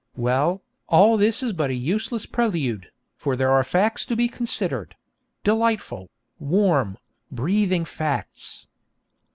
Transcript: Well, all this is but a useless prelude, for there are facts to be considered delightful, warm, breathing facts!